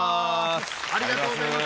ありがとうございます。